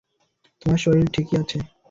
তোমার শরীর ঠিকই আছে।